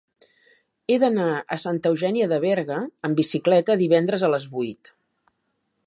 He d'anar a Santa Eugènia de Berga amb bicicleta divendres a les vuit.